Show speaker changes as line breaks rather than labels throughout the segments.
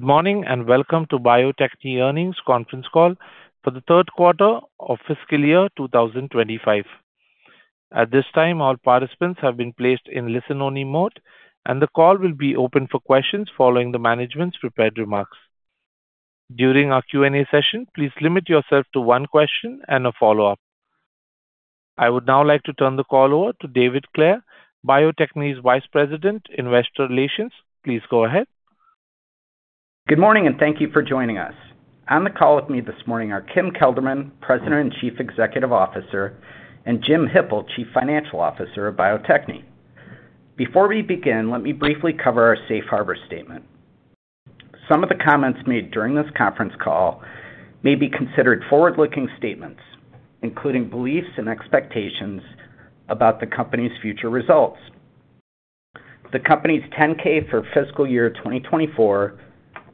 Good morning and welcome to Bio-Techne earnings conference call for the third quarter of fiscal year 2025. At this time, all participants have been placed in listen-only mode, and the call will be open for questions following the management's prepared remarks. During our Q&A session, please limit yourself to one question and a follow-up. I would now like to turn the call over to David Clair, Bio-Techne's Vice President, Investor Relations. Please go ahead.
Good morning and thank you for joining us. On the call with me this morning are Kim Kelderman, President and Chief Executive Officer, and Jim Hippel, Chief Financial Officer of Bio-Techne. Before we begin, let me briefly cover our safe harbor statement. Some of the comments made during this conference call may be considered forward-looking statements, including beliefs and expectations about the company's future results. The company's 10-K for fiscal year 2024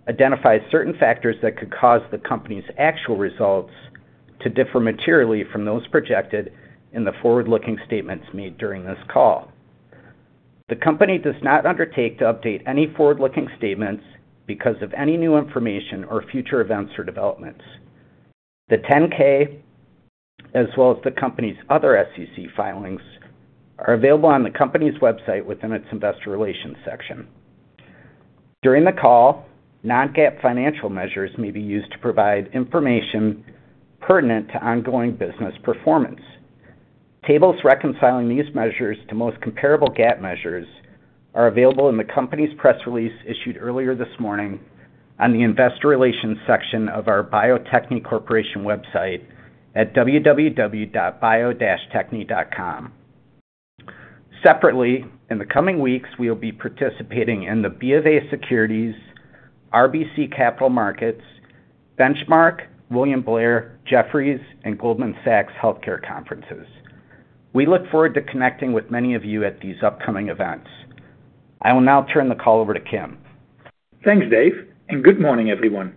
identifies certain factors that could cause the company's actual results to differ materially from those projected in the forward-looking statements made during this call. The company does not undertake to update any forward-looking statements because of any new information or future events or developments. The 10-K, as well as the company's other SEC filings, are available on the company's website within its investor relations section. During the call, non-GAAP financial measures may be used to provide information pertinent to ongoing business performance. Tables reconciling these measures to most comparable GAAP measures are available in the company's press release issued earlier this morning on the investor relations section of our Bio-Techne Corporation website at www.bio-techne.com. Separately, in the coming weeks, we will be participating in the BofA Securities, RBC Capital Markets, Benchmark, William Blair, Jefferies, and Goldman Sachs Healthcare Conferences. We look forward to connecting with many of you at these upcoming events. I will now turn the call over to Kim.
Thanks, Dave, and good morning, everyone.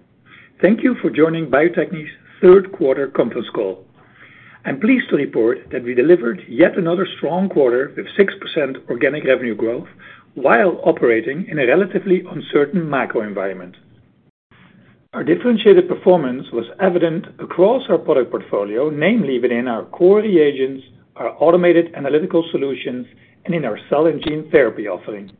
Thank you for joining Bio-Techne's third quarter conference call. I'm pleased to report that we delivered yet another strong quarter with 6% organic revenue growth while operating in a relatively uncertain macro environment. Our differentiated performance was evident across our product portfolio, namely within our core reagents, our automated analytical solutions, and in our cell and gene therapy offering.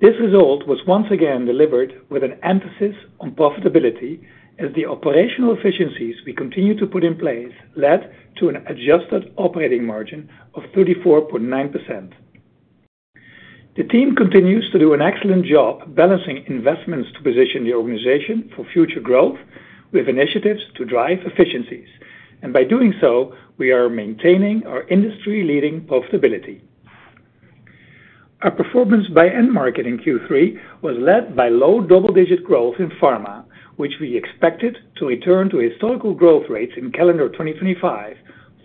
This result was once again delivered with an emphasis on profitability, as the operational efficiencies we continue to put in place led to an adjusted operating margin of 34.9%. The team continues to do an excellent job balancing investments to position the organization for future growth with initiatives to drive efficiencies, and by doing so, we are maintaining our industry-leading profitability. Our performance by end market in Q3 was led by low double-digit growth in pharma, which we expected to return to historical growth rates in calendar 2025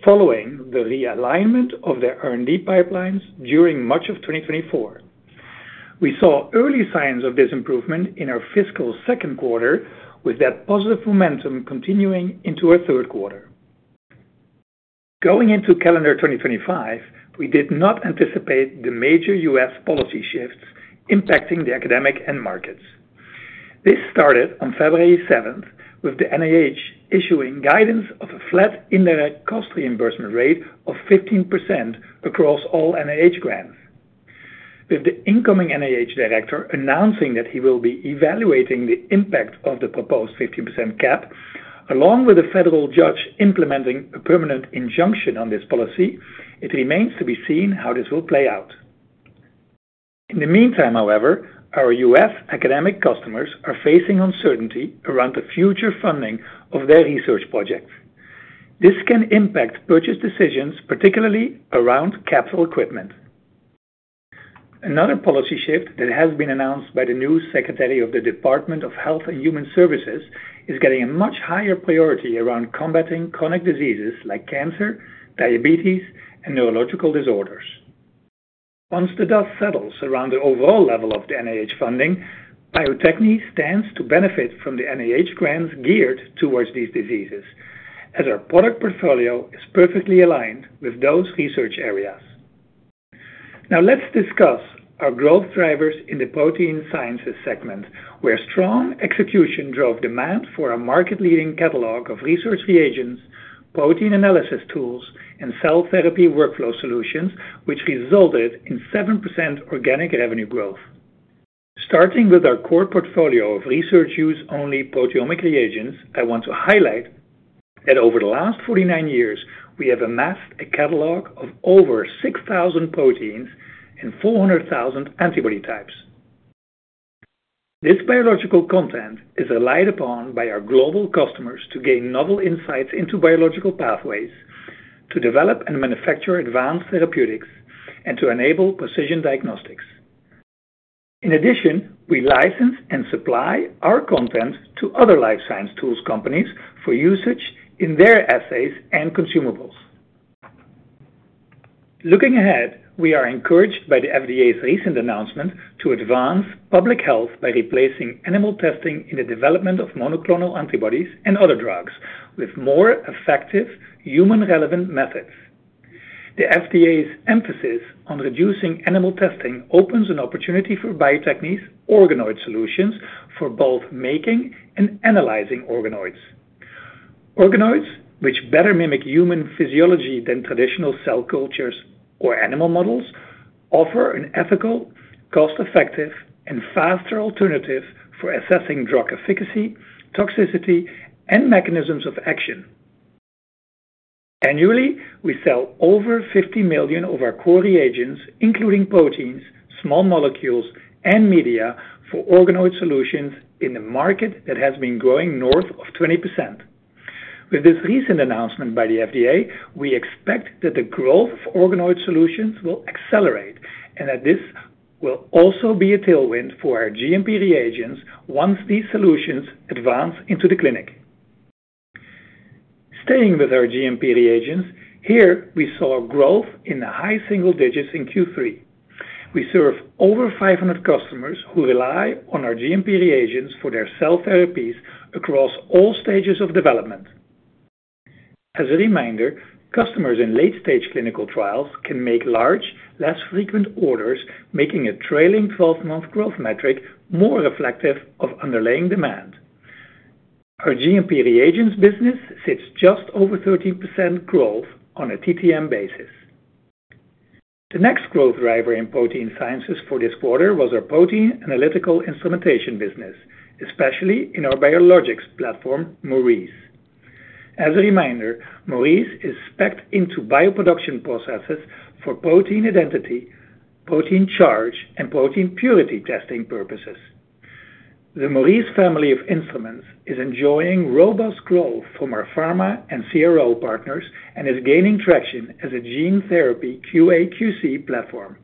following the realignment of the R&D pipelines during March of 2024. We saw early signs of this improvement in our fiscal second quarter, with that positive momentum continuing into our third quarter. Going into calendar 2025, we did not anticipate the major U.S. policy shifts impacting the academic end markets. This started on February 7th, with the NIH issuing guidance of a flat indirect cost reimbursement rate of 15% across all NIH grants. With the incoming NIH director announcing that he will be evaluating the impact of the proposed 15% cap, along with a federal judge implementing a permanent injunction on this policy, it remains to be seen how this will play out. In the meantime, however, our U.S. Academic customers are facing uncertainty around the future funding of their research projects. This can impact purchase decisions, particularly around capital equipment. Another policy shift that has been announced by the new Secretary of the Department of Health and Human Services is getting a much higher priority around combating chronic diseases like cancer, diabetes, and neurological disorders. Once the dust settles around the overall level of the NIH funding, Bio-Techne stands to benefit from the NIH grants geared towards these diseases, as our product portfolio is perfectly aligned with those research areas. Now, let's discuss our growth drivers in the protein sciences segment, where strong execution drove demand for a market-leading catalog of research reagents, protein analysis tools, and cell therapy workflow solutions, which resulted in 7% organic revenue growth. Starting with our core portfolio of research-use-only proteomic reagents, I want to highlight that over the last 49 years, we have amassed a catalog of over 6,000 proteins and 400,000 antibody types. This biological content is relied upon by our global customers to gain novel insights into biological pathways, to develop and manufacture advanced therapeutics, and to enable precision diagnostics. In addition, we license and supply our content to other life science tools companies for usage in their assays and consumables. Looking ahead, we are encouraged by the FDA's recent announcement to advance public health by replacing animal testing in the development of monoclonal antibodies and other drugs with more effective, human-relevant methods. The FDA's emphasis on reducing animal testing opens an opportunity for Bio-Techne's organoid solutions for both making and analyzing organoids. Organoids, which better mimic human physiology than traditional cell cultures or animal models, offer an ethical, cost-effective, and faster alternative for assessing drug efficacy, toxicity, and mechanisms of action. Annually, we sell over 50 million of our core reagents, including proteins, small molecules, and media for organoid solutions in a market that has been growing north of 20%. With this recent announcement by the FDA, we expect that the growth of organoid solutions will accelerate and that this will also be a tailwind for our GMP reagents once these solutions advance into the clinic. Staying with our GMP reagents, here we saw growth in the high single-digits in Q3. We serve over 500 customers who rely on our GMP reagents for their cell therapies across all stages of development. As a reminder, customers in late-stage clinical trials can make large, less frequent orders, making a trailing 12-month growth metric more reflective of underlying demand. Our GMP reagents business sits just over 13% growth on a TTM basis. The next growth driver in protein sciences for this quarter was our protein analytical instrumentation business, especially in our biologics platform, Maurice. As a reminder, Maurice is specced into bio-production processes for protein identity, protein charge, and protein purity testing purposes. The Maurice family of instruments is enjoying robust growth from our pharma and CRO partners and is gaining traction as a gene therapy QA/QC platform.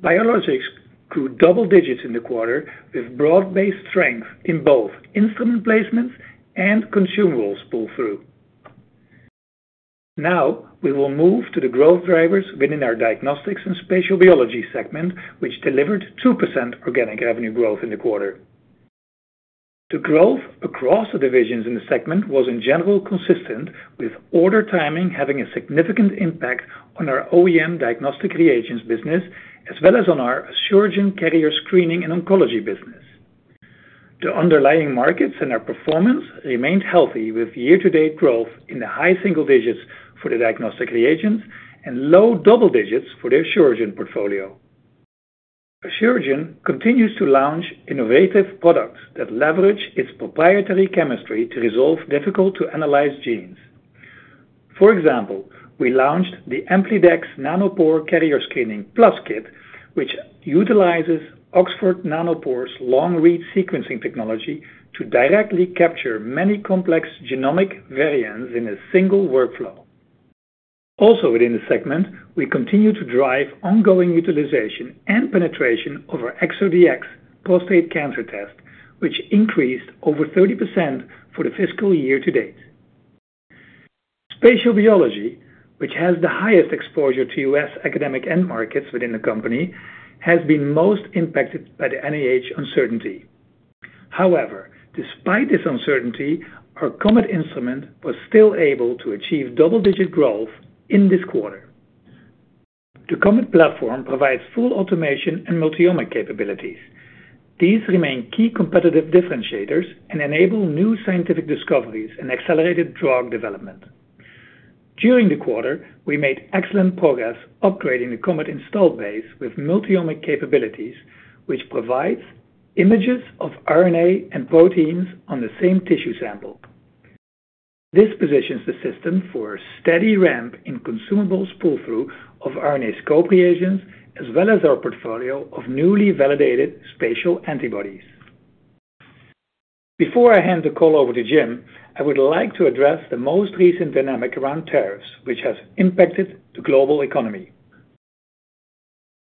Biologics grew double-digits in the quarter with broad-based strength in both instrument placements and consumables pull-through. Now, we will move to the growth drivers within our diagnostics and spatial biology segment, which delivered 2% organic revenue growth in the quarter. The growth across the divisions in the segment was, in general, consistent, with order timing having a significant impact on our OEM diagnostic reagents business as well as on our estrogen carrier screening and oncology business. The underlying markets and our performance remained healthy, with year-to-date growth in the high single-digits for the diagnostic reagents and low double-digits for the estrogen portfolio. Estrogen continues to launch innovative products that leverage its proprietary chemistry to resolve difficult-to-analyze genes. For example, we launched the AmplideX Nanopore Carrier Screening Plus Kit, which utilizes Oxford Nanopore's long-read sequencing technology to directly capture many complex genomic variants in a single workflow. Also, within the segment, we continue to drive ongoing utilization and penetration of our ExoDx Prostate Cancer Test, which increased over 30% for the fiscal year to date. Spatial biology, which has the highest exposure to U.S. Academic-end markets within the company have been most impacted by the NIH uncertainty. However, despite this uncertainty, our Comet instrument was still able to achieve double-digit growth in this quarter. The Comet platform provides full automation and multi-omic capabilities. These remain key competitive differentiators and enable new scientific discoveries and accelerated drug development. During the quarter, we made excellent progress upgrading the Comet installed base with multi-omic capabilities, which provides images of RNA and proteins on the same tissue sample. This positions the system for a steady ramp in consumables pull-through of RNAscope reagents as well as our portfolio of newly validated spatial antibodies. Before I hand the call over to Jim, I would like to address the most recent dynamic around tariffs, which has impacted the global economy.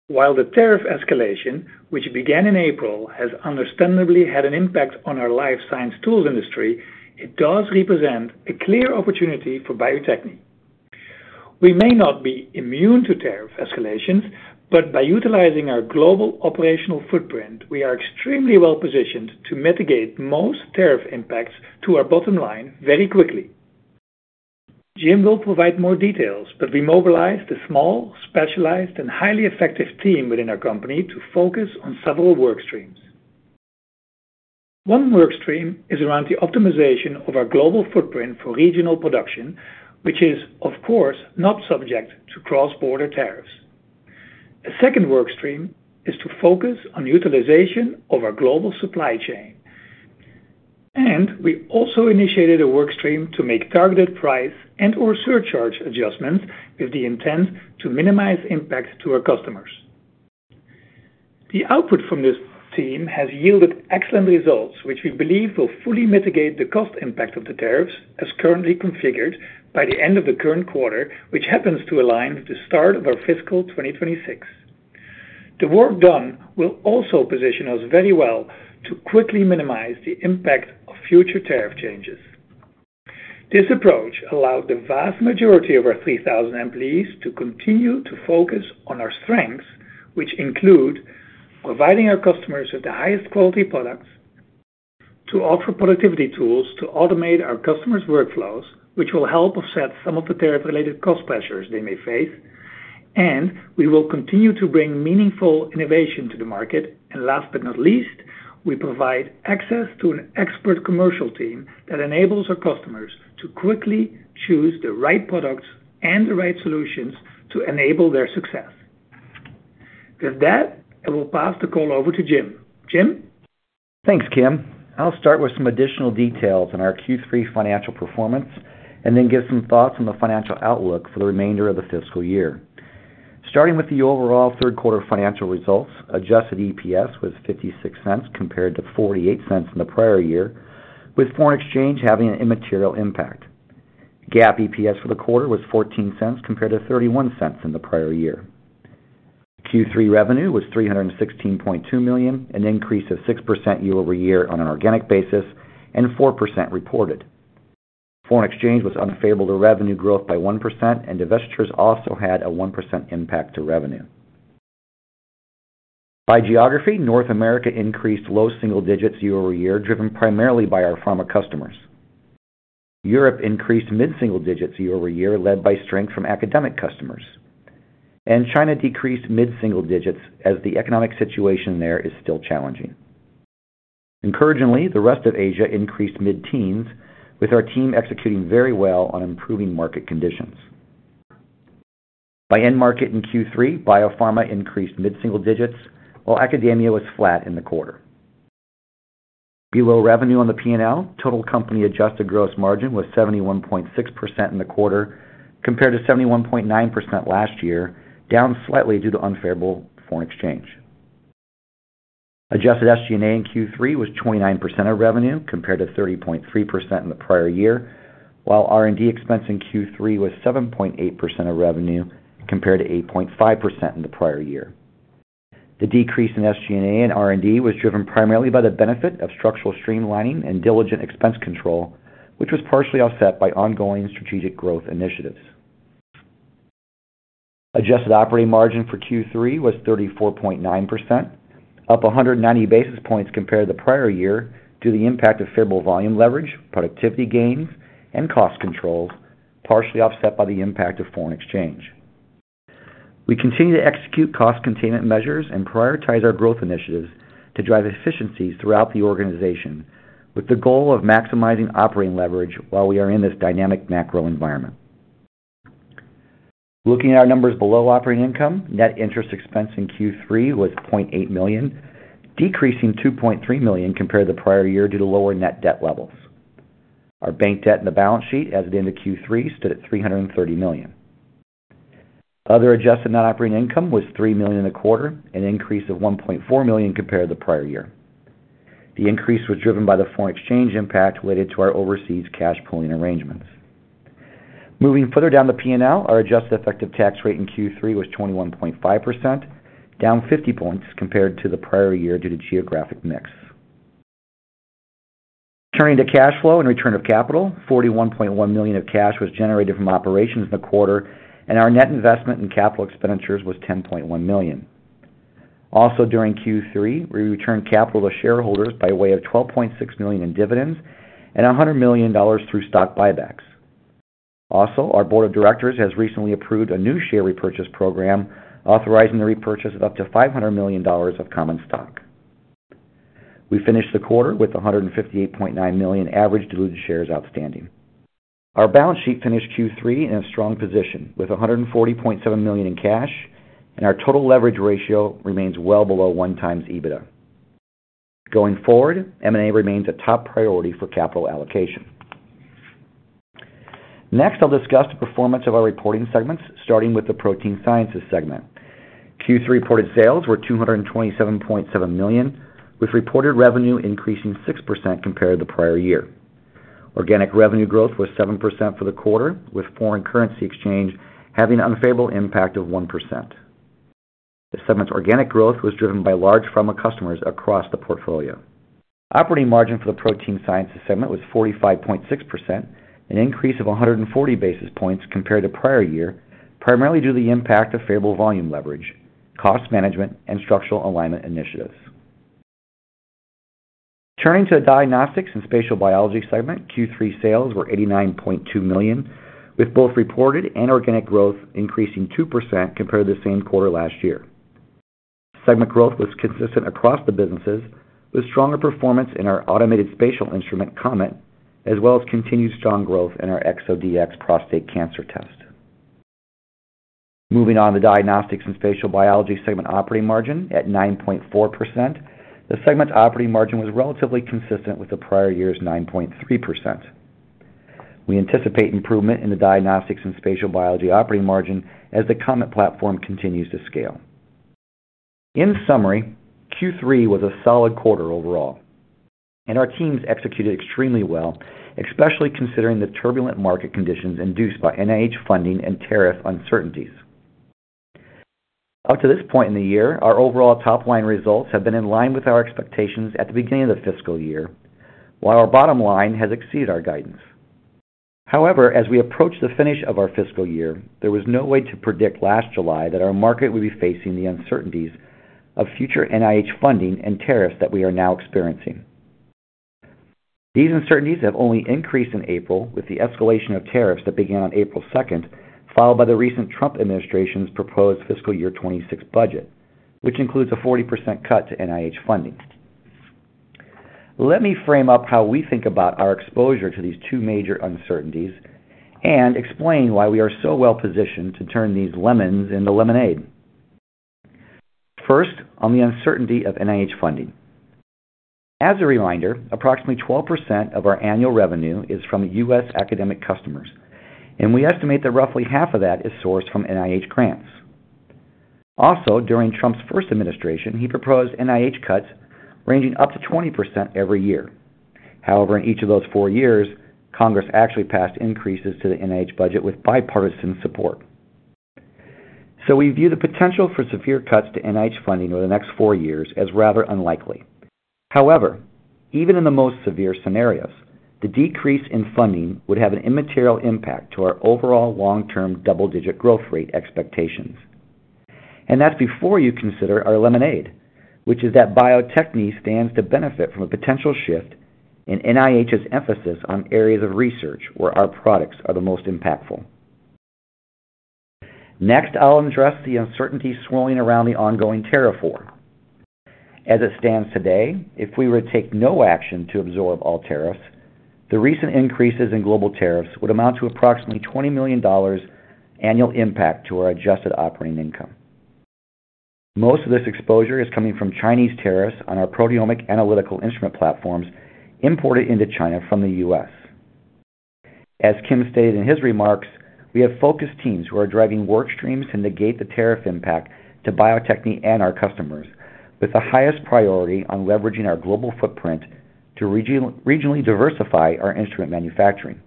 While the tariff escalation, which began in April, has understandably had an impact on our life science tools industry, it does represent a clear opportunity for Bio-Techne. We may not be immune to tariff escalations, but by utilizing our global operational footprint, we are extremely well-positioned to mitigate most tariff impacts to our bottom line very quickly. Jim will provide more details, but we mobilized a small, specialized, and highly effective team within our company to focus on several work streams. One work stream is around the optimization of our global footprint for regional production, which is, of course, not subject to cross-border tariffs. A second work stream is to focus on utilization of our global supply chain, and we also initiated a work stream to make targeted price and/or surcharge adjustments with the intent to minimize impact to our customers. The output from this team has yielded excellent results, which we believe will fully mitigate the cost impact of the tariffs as currently configured by the end of the current quarter, which happens to align with the start of our fiscal 2026. The work done will also position us very well to quickly minimize the impact of future tariff changes. This approach allowed the vast majority of our 3,000 employees to continue to focus on our strengths, which include providing our customers with the highest quality products, to offer productivity tools to automate our customers' workflows, which will help offset some of the tariff-related cost pressures they may face, and we will continue to bring meaningful innovation to the market. Last but not least, we provide access to an expert commercial team that enables our customers to quickly choose the right products and the right solutions to enable their success. With that, I will pass the call over to Jim. Jim?
Thanks, Kim. I'll start with some additional details in our Q3 financial performance and then give some thoughts on the financial outlook for the remainder of the fiscal year. Starting with the overall third quarter financial results, adjusted EPS was $0.56 compared to $0.48 in the prior year, with foreign exchange having an immaterial impact. GAAP EPS for the quarter was $0.14 compared to $0.31 in the prior year. Q3 revenue was $316.2 million, an increase of 6% year-over-year on an organic basis and 4% reported. Foreign exchange was unfavorable to revenue growth by 1%, and divestitures also had a 1% impact to revenue. By geography, North America increased low single-digits year-over-year, driven primarily by our pharma customers. Europe increased mid-single-digits year-over-year, led by strength from academic customers. China decreased mid-single-digits as the economic situation there is still challenging. Encouragingly, the rest of Asia increased mid-teens, with our team executing very well on improving market conditions. By end market in Q3, biopharma increased mid-single-digits, while academia was flat in the quarter. Below revenue on the P&L, total company adjusted gross margin was 71.6% in the quarter compared to 71.9% last year, down slightly due to unfavorable foreign exchange. Adjusted SG&A in Q3 was 29% of revenue compared to 30.3% in the prior year, while R&D expense in Q3 was 7.8% of revenue compared to 8.5% in the prior year. The decrease in SG&A and R&D was driven primarily by the benefit of structural streamlining and diligent expense control, which was partially offset by ongoing strategic growth initiatives. Adjusted operating margin for Q3 was 34.9%, up 190 basis points compared to the prior year due to the impact of favorable volume leverage, productivity gains, and cost controls, partially offset by the impact of foreign exchange. We continue to execute cost containment measures and prioritize our growth initiatives to drive efficiencies throughout the organization, with the goal of maximizing operating leverage while we are in this dynamic macro environment. Looking at our numbers below operating income, net interest expense in Q3 was $0.8 million, decreasing $2.3 million compared to the prior year due to lower net debt levels. Our bank debt in the balance sheet as of the end of Q3 stood at $330 million. Other adjusted non-operating income was $3 million in the quarter, an increase of $1.4 million compared to the prior year. The increase was driven by the foreign exchange impact related to our overseas cash pooling arrangements. Moving further down the P&L, our adjusted effective tax rate in Q3 was 21.5%, down 50 points compared to the prior year due to geographic mix. Turning to cash flow and return of capital, $41.1 million of cash was generated from operations in the quarter, and our net investment in capital expenditures was $10.1 million. Also, during Q3, we returned capital to shareholders by way of $12.6 million in dividends and $100 million through stock buybacks. Also, our Board of Directors has recently approved a new share repurchase program authorizing the repurchase of up to $500 million of common stock. We finished the quarter with 158.9 million average diluted shares outstanding. Our balance sheet finished Q3 in a strong position with $140.7 million in cash, and our total leverage ratio remains well below 1x EBITDA. Going forward, M&A remains a top priority for capital allocation. Next, I'll discuss the performance of our reporting segments, starting with the protein sciences segment. Q3 reported sales were $227.7 million, with reported revenue increasing 6% compared to the prior year. Organic revenue growth was 7% for the quarter, with foreign currency exchange having an unfavorable impact of 1%. The segment's organic growth was driven by large pharma customers across the portfolio. Operating margin for the protein sciences segment was 45.6%, an increase of 140 basis points compared to prior year, primarily due to the impact of favorable volume leverage, cost management, and structural alignment initiatives. Turning to the diagnostics and spatial biology segment, Q3 sales were $89.2 million, with both reported and organic growth increasing 2% compared to the same quarter last year. Segment growth was consistent across the businesses, with stronger performance in our automated spatial instrument, Comet, as well as continued strong growth in our ExoDx Prostate Cancer Test. Moving on to the diagnostics and spatial biology segment operating margin at 9.4%, the segment's operating margin was relatively consistent with the prior year's 9.3%. We anticipate improvement in the diagnostics and spatial biology operating margin as the Comet platform continues to scale. In summary, Q3 was a solid quarter overall, and our teams executed extremely well, especially considering the turbulent market conditions induced by NIH funding and tariff uncertainties. Up to this point in the year, our overall top-line results have been in line with our expectations at the beginning of the fiscal year, while our bottom line has exceeded our guidance. However, as we approach the finish of our fiscal year, there was no way to predict last July that our market would be facing the uncertainties of future NIH funding and tariffs that we are now experiencing. These uncertainties have only increased in April, with the escalation of tariffs that began on April 2nd, followed by the recent Trump administration's proposed fiscal year 2026 budget, which includes a 40% cut to NIH funding. Let me frame up how we think about our exposure to these two major uncertainties and explain why we are so well-positioned to turn these lemons into lemonade. First, on the uncertainty of NIH funding. As a reminder, approximately 12% of our annual revenue is from U.S. academic customers, and we estimate that roughly half of that is sourced from NIH grants. Also, during Trump's first administration, he proposed NIH cuts ranging up to 20% every year. However, in each of those four years, Congress actually passed increases to the NIH budget with bipartisan support. We view the potential for severe cuts to NIH funding over the next four years as rather unlikely. However, even in the most severe scenarios, the decrease in funding would have an immaterial impact to our overall long-term double-digit growth rate expectations. That is before you consider our lemonade, which is that Bio-Techne stands to benefit from a potential shift in NIH's emphasis on areas of research where our products are the most impactful. Next, I'll address the uncertainty swirling around the ongoing tariff war. As it stands today, if we were to take no action to absorb all tariffs, the recent increases in global tariffs would amount to approximately $20 million annual impact to our adjusted operating income. Most of this exposure is coming from Chinese tariffs on our proteomic analytical instrument platforms imported into China from the U.S. As Kim stated in his remarks, we have focused teams who are driving work streams to negate the tariff impact to Bio-Techne and our customers, with the highest priority on leveraging our global footprint to regionally diversify our instrument manufacturing.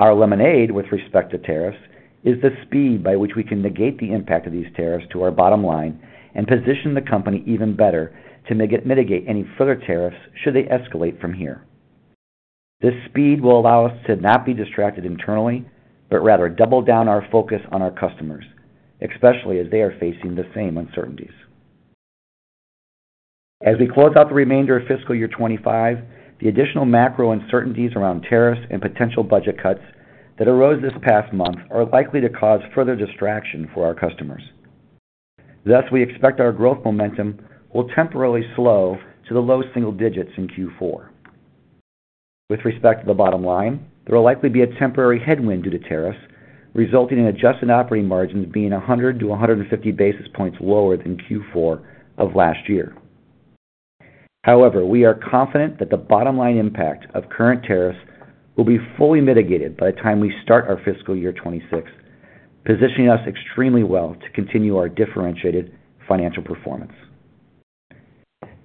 Our lemonade, with respect to tariffs, is the speed by which we can negate the impact of these tariffs to our bottom line and position the company even better to mitigate any further tariffs should they escalate from here. This speed will allow us to not be distracted internally, but rather double down our focus on our customers, especially as they are facing the same uncertainties. As we close out the remainder of fiscal year 2025, the additional macro uncertainties around tariffs and potential budget cuts that arose this past month are likely to cause further distraction for our customers. Thus, we expect our growth momentum will temporarily slow to the low single-digits in Q4. With respect to the bottom line, there will likely be a temporary headwind due to tariffs, resulting in adjusted operating margins being 100-150 basis points lower than Q4 of last year. However, we are confident that the bottom line impact of current tariffs will be fully mitigated by the time we start our fiscal year 2026, positioning us extremely well to continue our differentiated financial performance.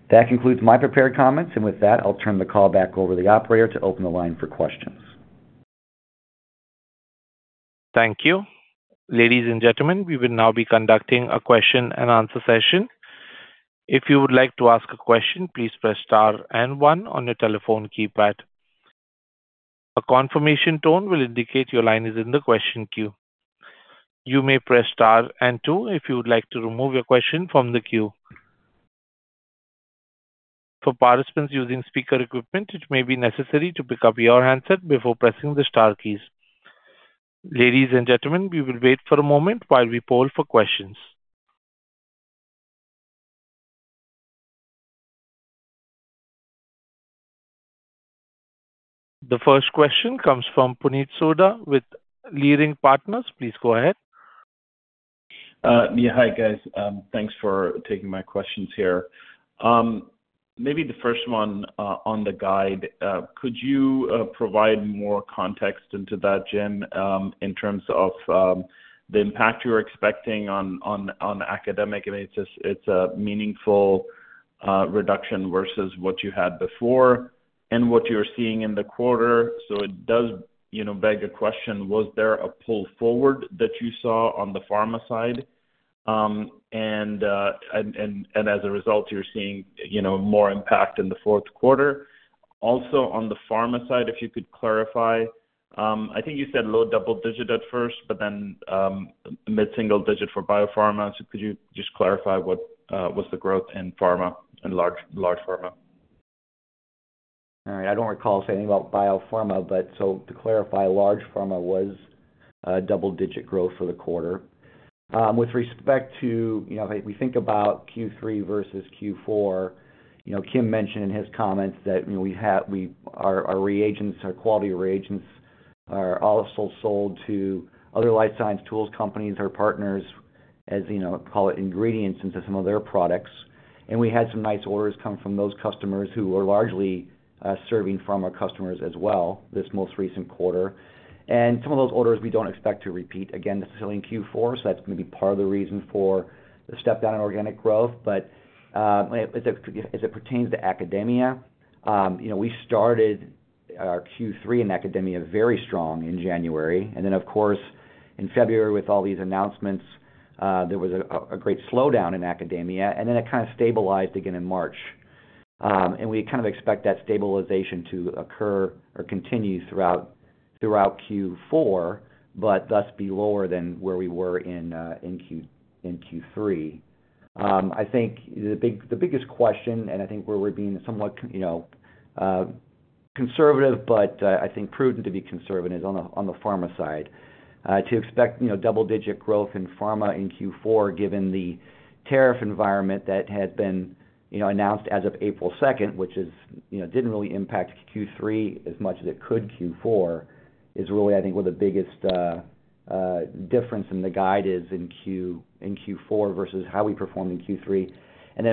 That concludes my prepared comments, and with that, I'll turn the call back over to the operator to open the line for questions.
Thank you. Ladies and gentlemen, we will now be conducting a question and answer session. If you would like to ask a question, please press star and one on your telephone keypad. A confirmation tone will indicate your line is in the question queue. You may press star and two if you would like to remove your question from the queue. For participants using speaker equipment, it may be necessary to pick up your handset before pressing the star keys. Ladies and gentlemen, we will wait for a moment while we poll for questions. The first question comes from Puneet Souda with Leerink Partners. Please go ahead.
Yeah, hi guys. Thanks for taking my questions here. Maybe the first one on the guide, could you provide more context into that, Jim, in terms of the impact you're expecting on academic? I mean, it's a meaningful reduction versus what you had before and what you're seeing in the quarter. It does beg a question: was there a pull forward that you saw on the pharma side? As a result, you're seeing more impact in the fourth quarter. Also, on the pharma side, if you could clarify, I think you said low double-digit at first, but then mid-single-digit for biopharma. Could you just clarify what was the growth in pharma and large pharma?
All right. I do not recall saying anything about biopharma, but to clarify, large pharma was double-digit growth for the quarter. With respect to, if we think about Q3 versus Q4, Kim mentioned in his comments that our reagents, our quality reagents, are also sold to other life science tools companies, our partners, as you call it, ingredients into some of their products. We had some nice orders come from those customers who were largely serving pharma customers as well this most recent quarter. Some of those orders we do not expect to repeat, again, necessarily in Q4, so that is maybe part of the reason for the step down in organic growth. As it pertains to academia, we started our Q3 in academia very strong in January. Of course, in February, with all these announcements, there was a great slowdown in academia, and then it kind of stabilized again in March. We kind of expect that stabilization to occur or continue throughout Q4, but thus be lower than where we were in Q3. I think the biggest question, and I think where we're being somewhat conservative, but I think prudent to be conservative, is on the pharma side. To expect double-digit growth in pharma in Q4, given the tariff environment that had been announced as of April 2nd, which did not really impact Q3 as much as it could Q4, is really, I think, where the biggest difference in the guide is in Q4 versus how we performed in Q3.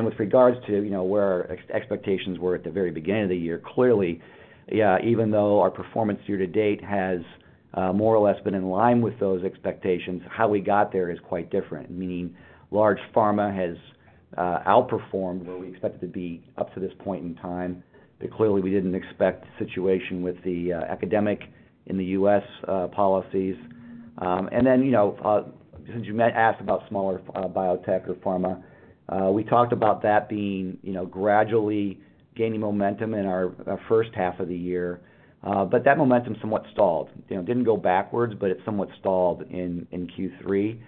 With regards to where our expectations were at the very beginning of the year, clearly, yeah, even though our performance year to date has more or less been in line with those expectations, how we got there is quite different, meaning large pharma has outperformed where we expected to be up to this point in time. Clearly, we did not expect a situation with the academic in the U.S. policies. Since you asked about smaller biotech or pharma, we talked about that being gradually gaining momentum in our first half of the year, but that momentum somewhat stalled. It did not go backwards, but it somewhat stalled in Q3.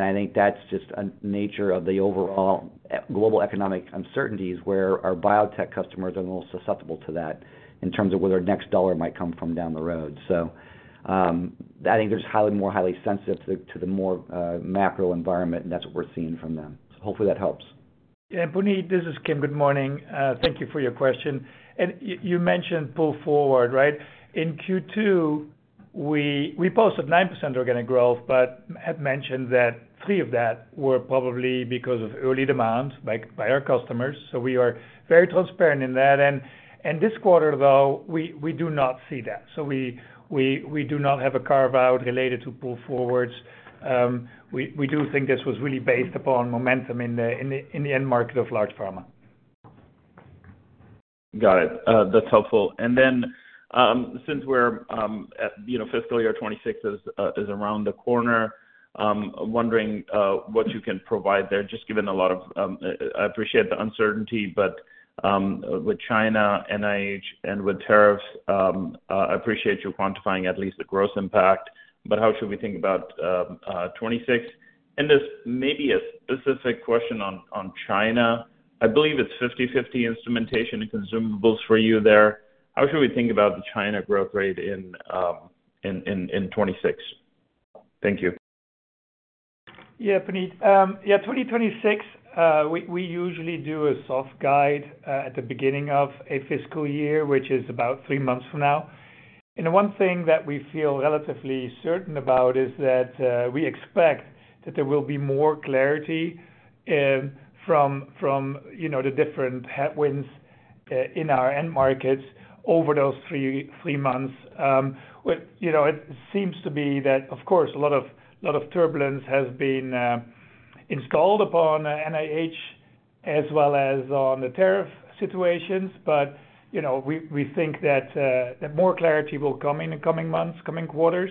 I think that is just the nature of the overall global economic uncertainties where our biotech customers are the most susceptible to that in terms of where their next dollar might come from down the road. I think they're just more highly sensitive to the more macro environment, and that's what we're seeing from them. Hopefully that helps.
Yeah, Puneet, this is Kim. Good morning. Thank you for your question. You mentioned pull forward, right? In Q2, we posted 9% organic growth, but had mentioned that three of that were probably because of early demand by our customers. We are very transparent in that. This quarter, though, we do not see that. We do not have a carve-out related to pull forwards. We do think this was really based upon momentum in the end market of large pharma.
Got it. That's helpful. Since we're at fiscal year 2026 is around the corner, wondering what you can provide there, just given a lot of, I appreciate the uncertainty, but with China, NIH, and with tariffs, I appreciate you quantifying at least the gross impact, but how should we think about 2026? There's maybe a specific question on China. I believe it's 50/50 instrumentation and consumables for you there. How should we think about the China growth rate in 2026? Thank you.
Yeah, Puneet. Yeah, 2026, we usually do a soft guide at the beginning of a fiscal year, which is about three months from now. One thing that we feel relatively certain about is that we expect that there will be more clarity from the different headwinds in our end markets over those three months. It seems to be that, of course, a lot of turbulence has been installed upon NIH as well as on the tariff situations. We think that more clarity will come in the coming months, coming quarters,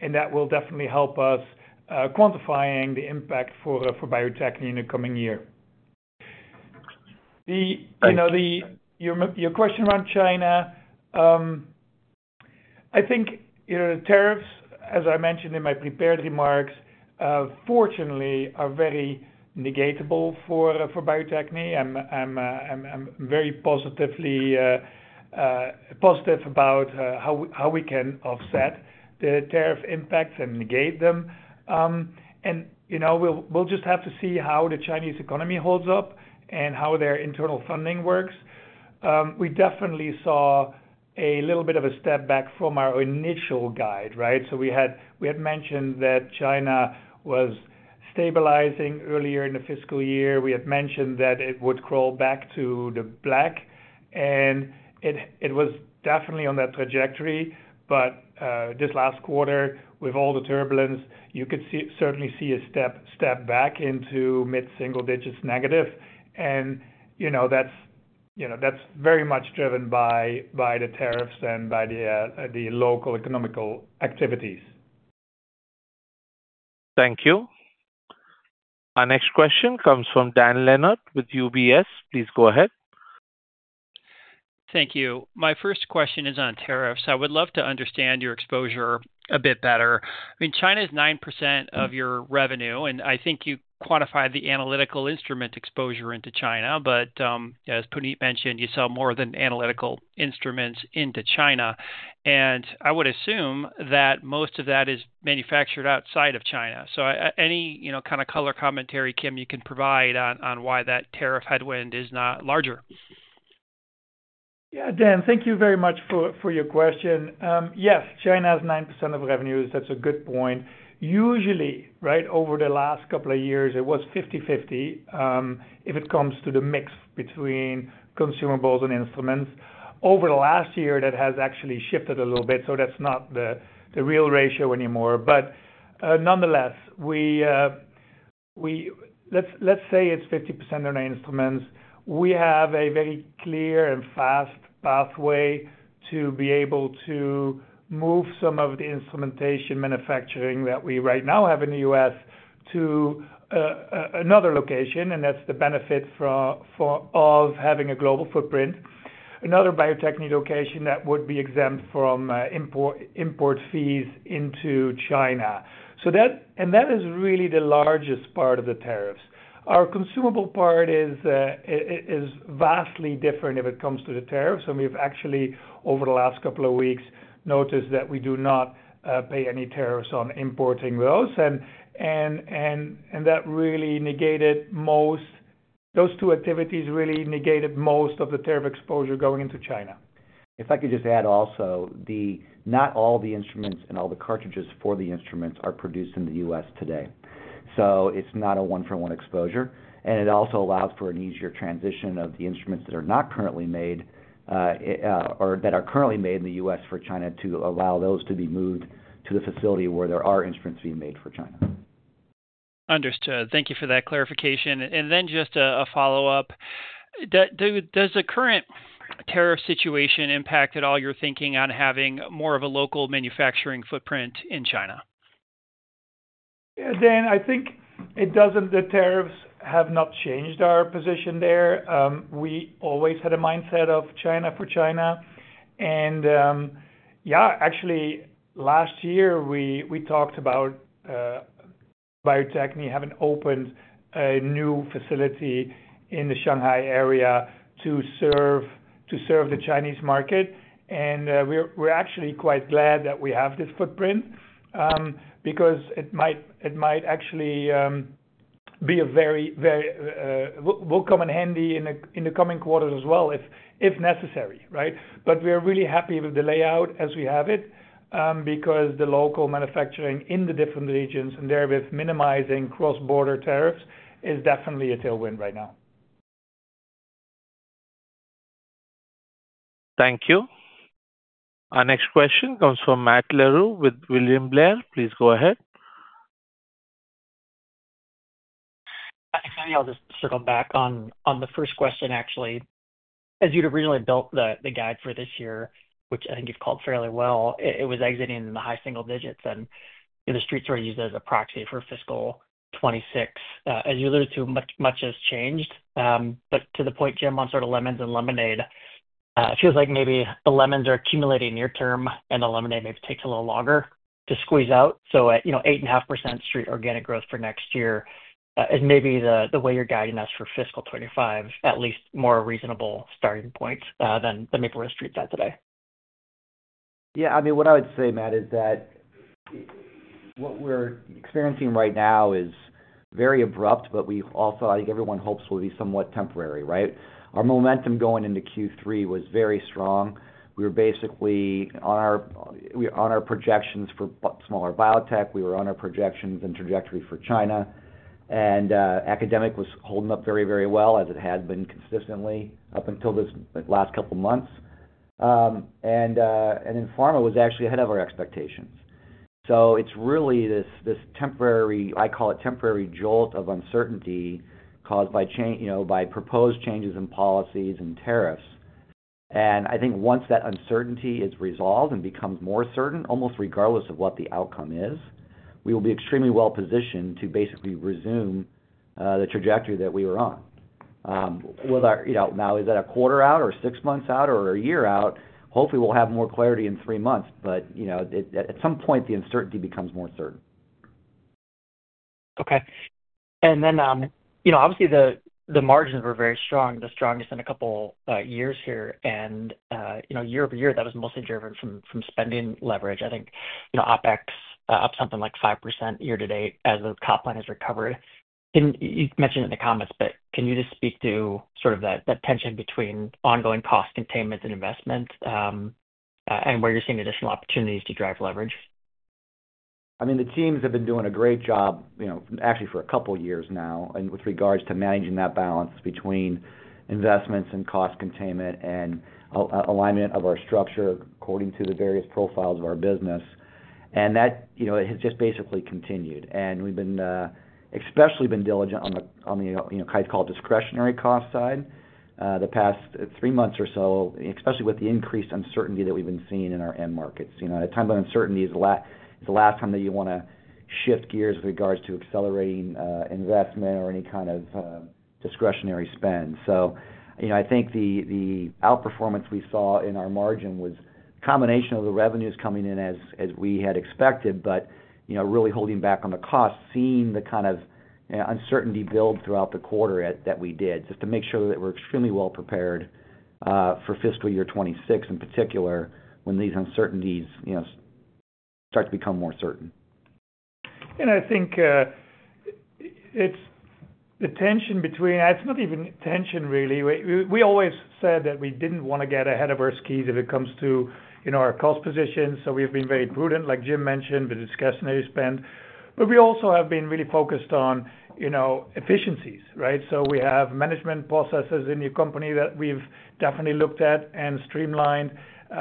and that will definitely help us quantifying the impact for Bio-Techne in the coming year. Your question around China, I think the tariffs, as I mentioned in my prepared remarks, fortunately are very negatable for Bio-Techne. I'm very positive about how we can offset the tariff impacts and negate them. We just have to see how the Chinese economy holds up and how their internal funding works. We definitely saw a little bit of a step back from our initial guide, right? We had mentioned that China was stabilizing earlier in the fiscal year. We had mentioned that it would crawl back to the black, and it was definitely on that trajectory. This last quarter, with all the turbulence, you could certainly see a step back into mid-single-digits negative. That is very much driven by the tariffs and by the local economical activities.
Thank you. Our next question comes from Dan Leonard with UBS. Please go ahead.
Thank you. My first question is on tariffs. I would love to understand your exposure a bit better. I mean, China is 9% of your revenue, and I think you quantify the analytical instrument exposure into China. But as Puneet mentioned, you sell more than analytical instruments into China. I would assume that most of that is manufactured outside of China. Any kind of color commentary, Kim, you can provide on why that tariff headwind is not larger.
Yeah, Dan, thank you very much for your question. Yes, China is 9% of revenues. That's a good point. Usually, right, over the last couple of years, it was 50/50 if it comes to the mix between consumables and instruments. Over the last year, that has actually shifted a little bit, so that's not the real ratio anymore. Nonetheless, let's say it's 50% on our instruments. We have a very clear and fast pathway to be able to move some of the instrumentation manufacturing that we right now have in the U.S. to another location, and that's the benefit of having a global footprint. Another Bio-Techne location that would be exempt from import fees into China. That is really the largest part of the tariffs. Our consumable part is vastly different if it comes to the tariffs. Over the last couple of weeks, we have actually noticed that we do not pay any tariffs on importing those. That really negated most of the tariff exposure going into China.
If I could just add also, not all the instruments and all the cartridges for the instruments are produced in the U.S. today. It is not a one-for-one exposure. It also allows for an easier transition of the instruments that are not currently made or that are currently made in the U.S. for China to allow those to be moved to the facility where there are instruments being made for China.
Understood. Thank you for that clarification. Just a follow-up. Does the current tariff situation impact at all your thinking on having more of a local manufacturing footprint in China?
Yeah, Dan, I think it doesn't. The tariffs have not changed our position there. We always had a mindset of China for China. Yeah, actually, last year, we talked about Bio-Techne having opened a new facility in the Shanghai area to serve the Chinese market. We're actually quite glad that we have this footprint because it might actually come in handy in the coming quarters as well if necessary, right? We're really happy with the layout as we have it because the local manufacturing in the different regions and therewith minimizing cross-border tariffs is definitely a tailwind right now.
Thank you. Our next question comes from Matt Larew with William Blair. Please go ahead.
Actually, I'll just circle back on the first question, actually. As you originally built the guide for this year, which I think you've called fairly well, it was exiting in the high single-digits, and the street's were used as a proxy for fiscal 2026. As you alluded to, much has changed. To the point, Jim, on sort of lemons and lemonade, it feels like maybe the lemons are accumulating near-term and the lemonade maybe takes a little longer to squeeze out? At 8.5% street organic growth for next year, is maybe the way you're guiding us for fiscal 2025 at least more reasonable starting points than maybe where the street's are today?
Yeah. I mean, what I would say, Matt, is that what we're experiencing right now is very abrupt, but we also think everyone hopes will be somewhat temporary, right? Our momentum going into Q3 was very strong. We were basically on our projections for smaller biotech. We were on our projections and trajectory for China. Academic was holding up very, very well, as it had been consistently up until this last couple of months. Pharma was actually ahead of our expectations. It is really this temporary, I call it temporary, jolt of uncertainty caused by proposed changes in policies and tariffs. I think once that uncertainty is resolved and becomes more certain, almost regardless of what the outcome is, we will be extremely well-positioned to basically resume the trajectory that we were on. Now, is that a quarter out or six months out or a year out? Hopefully, we'll have more clarity in three months. At some point, the uncertainty becomes more certain.
Okay. Obviously, the margins were very strong, the strongest in a couple of years here. Year over year, that was mostly driven from spending leverage. I think OpEx up something like 5% year to date as the top line has recovered. You mentioned it in the comments, but can you just speak to sort of that tension between ongoing cost containment and investment and where you're seeing additional opportunities to drive leverage?
I mean, the teams have been doing a great job actually for a couple of years now with regards to managing that balance between investments and cost containment and alignment of our structure according to the various profiles of our business. That has just basically continued. We have especially been diligent on the, I'd call it, discretionary cost side the past three months or so, especially with the increased uncertainty that we have been seeing in our end markets. At times, uncertainty is the last time that you want to shift gears with regards to accelerating investment or any kind of discretionary spend. I think the outperformance we saw in our margin was a combination of the revenues coming in as we had expected, but really holding back on the cost, seeing the kind of uncertainty build throughout the quarter that we did, just to make sure that we're extremely well-prepared for fiscal year 2026 in particular when these uncertainties start to become more certain.
I think it's the tension between, it's not even tension, really. We always said that we didn't want to get ahead of our skis if it comes to our cost position. We have been very prudent, like Jim mentioned, with discretionary spend. We also have been really focused on efficiencies, right? We have management processes in your company that we've definitely looked at and streamlined.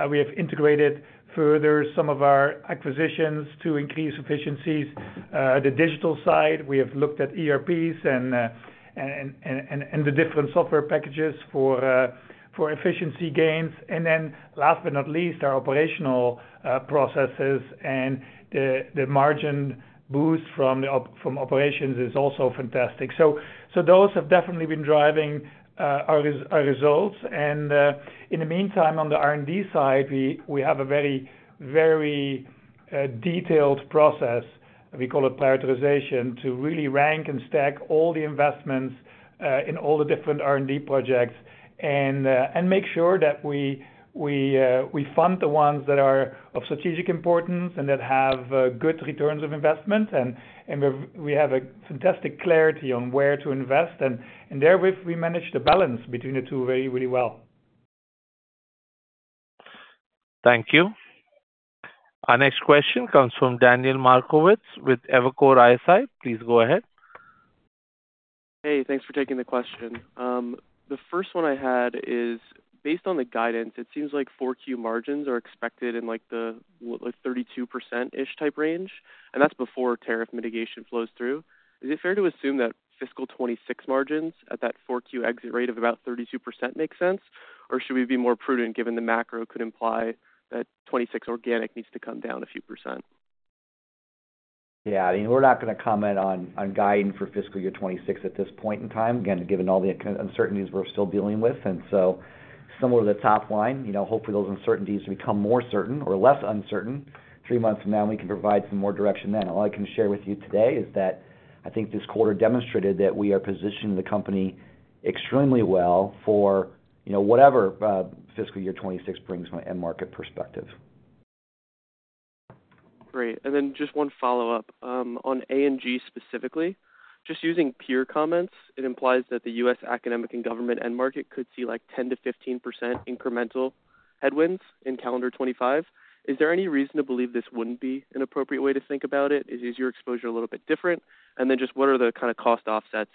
We have integrated further some of our acquisitions to increase efficiencies. The digital side, we have looked at ERPs and the different software packages for efficiency gains. Last but not least, our operational processes and the margin boost from operations is also fantastic. Those have definitely been driving our results. In the meantime, on the R&D side, we have a very, very detailed process. We call it prioritization to really rank and stack all the investments in all the different R&D projects and make sure that we fund the ones that are of strategic importance and that have good returns of investment. We have a fantastic clarity on where to invest. Therewith, we manage the balance between the two very, very well.
Thank you. Our next question comes from Daniel Markowitz with Evercore ISI. Please go ahead.
Hey, thanks for taking the question. The first one I had is based on the guidance, it seems like Q4 margins are expected in the 32%-ish type range. That is before tariff mitigation flows through. Is it fair to assume that fiscal 2026 margins at that 4Q exit rate of about 32% makes sense? Or should we be more prudent given the macro could imply that 2026 organic needs to come down a few percent?
Yeah. I mean, we're not going to comment on guiding for fiscal year 2026 at this point in time, again, given all the uncertainties we're still dealing with. Similar to the top line, hopefully, those uncertainties will become more certain or less uncertain three months from now, and we can provide some more direction then. All I can share with you today is that I think this quarter demonstrated that we are positioning the company extremely well for whatever fiscal year 2026 brings from an end market perspective.
Great. Just one follow-up. On A and G specifically, just using peer comments, it implies that the U.S. academic and government end market could see 10-15% incremental headwinds in calendar 2025. Is there any reason to believe this wouldn't be an appropriate way to think about it? Is your exposure a little bit different? Just what are the kind of cost offsets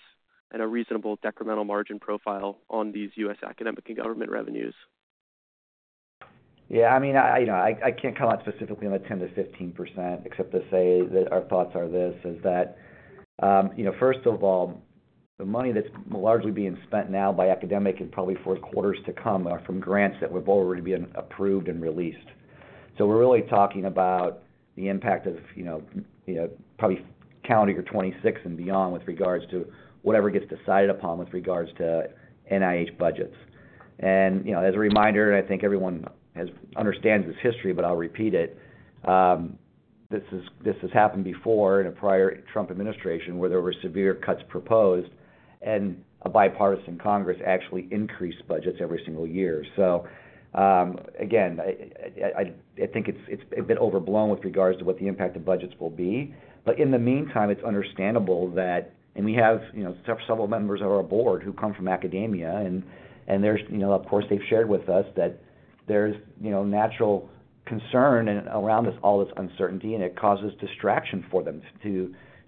and a reasonable decremental margin profile on these U.S. academic and government revenues?
Yeah. I mean, I can't comment specifically on the 10-15%, except to say that our thoughts are this, is that first of all, the money that's largely being spent now by academic and probably for quarters to come are from grants that will already be approved and released. We're really talking about the impact of probably calendar year 2026 and beyond with regards to whatever gets decided upon with regards to NIH budgets. As a reminder, and I think everyone understands this history, but I'll repeat it, this has happened before in a prior Trump administration where there were severe cuts proposed, and a bipartisan Congress actually increased budgets every single year. I think it's a bit overblown with regards to what the impact of budgets will be. In the meantime, it's understandable that, and we have several members of our board who come from academia, and of course, they've shared with us that there's natural concern around all this uncertainty, and it causes distraction for them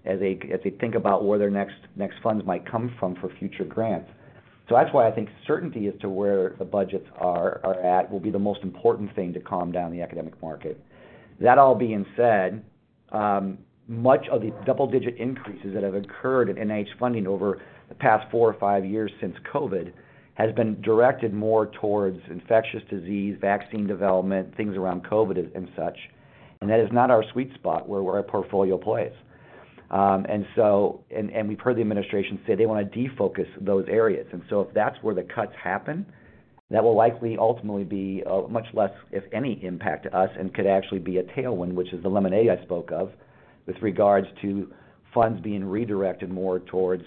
as they think about where their next funds might come from for future grants. That's why I think certainty as to where the budgets are at will be the most important thing to calm down the academic market. That all being said, much of the double-digit increases that have occurred in NIH funding over the past four or five years since COVID has been directed more towards infectious disease, vaccine development, things around COVID and such. That is not our sweet spot where our portfolio plays. We've heard the administration say they want to defocus those areas. If that's where the cuts happen, that will likely ultimately be a much less, if any, impact to us and could actually be a tailwind, which is the lemonade I spoke of with regards to funds being redirected more towards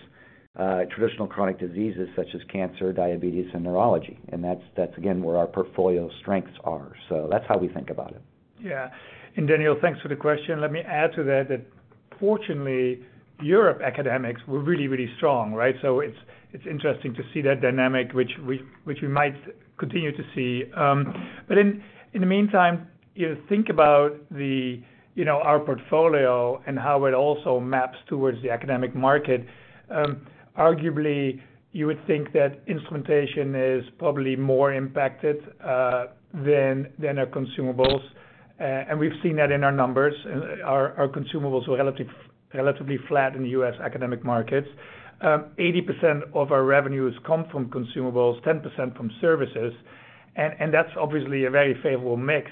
traditional chronic diseases such as cancer, diabetes, and neurology. That's, again, where our portfolio strengths are. That's how we think about it.
Yeah. Daniel, thanks for the question. Let me add to that that, fortunately, Europe academics were really, really strong, right? It is interesting to see that dynamic, which we might continue to see. In the meantime, think about our portfolio and how it also maps towards the academic market. Arguably, you would think that instrumentation is probably more impacted than our consumables. We have seen that in our numbers. Our consumables were relatively flat in the U.S. academic markets. 80% of our revenues come from consumables, 10% from services. That is obviously a very favorable mix.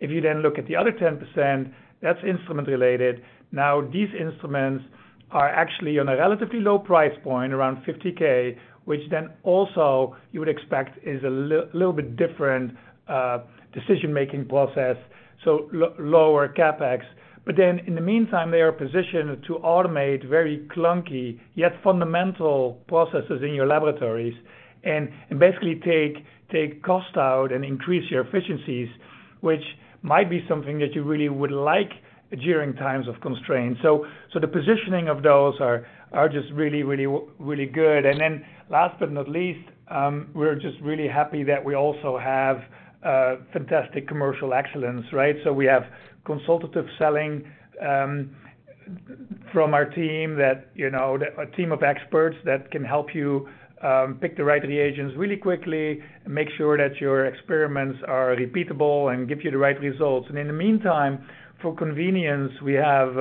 If you then look at the other 10%, that is instrument-related. Now, these instruments are actually on a relatively low price point, around $50,000, which then also you would expect is a little bit different decision-making process, so lower CapEx. Then in the meantime, they are positioned to automate very clunky, yet fundamental processes in your laboratories and basically take cost out and increase your efficiencies, which might be something that you really would like during times of constraint. The positioning of those are just really, really, really good. Last but not least, we're just really happy that we also have fantastic commercial excellence, right? We have consultative selling from our team, a team of experts that can help you pick the right reagents really quickly, make sure that your experiments are repeatable, and give you the right results. In the meantime, for convenience, we have